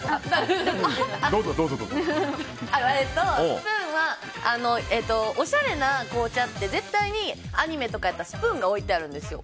スプーンはおしゃれな紅茶って絶対にアニメとかやったらスプーンが置いてあるんですよ。